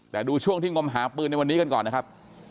แต่ดูช่วงที่งมหาปืนในวันนี้กันก่อนนะครับ